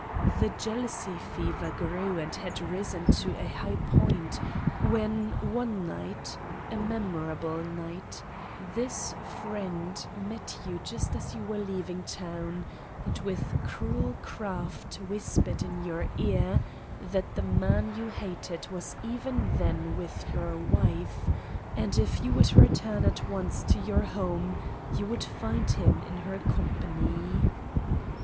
The jealous fever grew and had risen to a high point, when one night—a memorable night—this friend met you just as you were leaving town, and with cruel craft whispered in your ear that the man you hated was even then with your wife, and that if you would return at once to your home you would find him in her company.